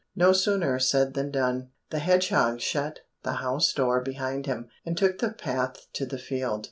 No sooner said than done. The hedgehog shut the house door behind him, and took the path to the field.